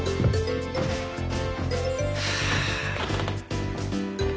はあ。